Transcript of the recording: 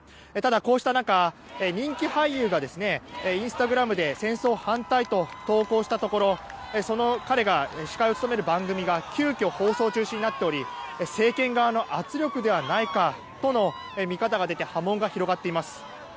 ただ、こうした中人気俳優がインスタグラムで戦争反対と投稿したところその彼が司会を務める番組が急きょ放送中止になっており政権側の圧力ではないかとの見方が出て波紋が広がっています。